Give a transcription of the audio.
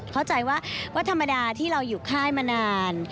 เข้าใจว่าวัดธรรมดาที่เราอยู่ค่ายมานาน